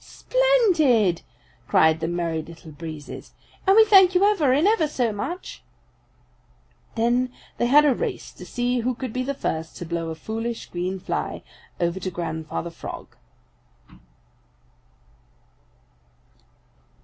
"Splendid!" cried the Merry Little Breezes. "And we thank you ever and ever so much!" Then they had a race to see who could be the first to blow a foolish green fly over to Grandfather Frog.